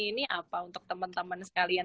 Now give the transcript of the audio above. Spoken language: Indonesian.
ini apa untuk temen temen sekalian